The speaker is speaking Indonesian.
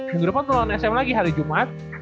minggu depan tuh lawan sm lagi hari jumat